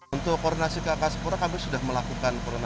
untuk koordinasi ke angkasa pura kami sudah melakukan